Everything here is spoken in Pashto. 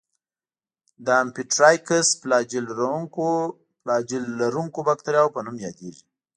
د امفيټرایکس فلاجیل لرونکو باکتریاوو په نوم یادیږي.